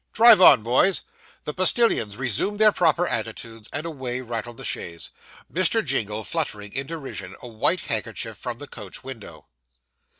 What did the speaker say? drive on, boys.' The postillions resumed their proper attitudes, and away rattled the chaise, Mr. Jingle fluttering in derision a white handkerchief from the coach window.